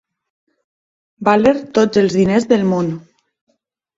Valer tots els diners del món.